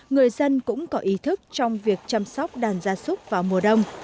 người dân cũng có ý thức trong việc chăm sóc đàn gia súc vào mùa đông